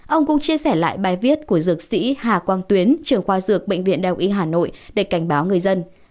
ông cũng chia sẻ lại bài viết của dược sĩ hà quang tuyến trưởng khoa dược bệnh viện đạo y hà nội để cảnh báo người dân